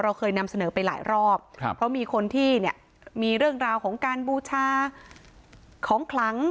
เคยนำเสนอไปหลายรอบครับเพราะมีคนที่เนี่ยมีเรื่องราวของการบูชาของคลัง